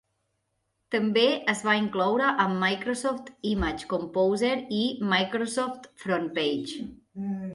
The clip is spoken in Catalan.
També es va incloure amb Microsoft Image Composer i Microsoft FrontPage.